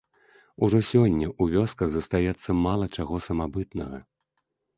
Ужо сёння ў вёсках застаецца мала чаго самабытнага.